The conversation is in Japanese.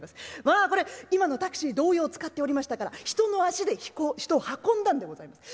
まあこれ今のタクシー同様使っておりましたから人の足で人を運んだんでございます。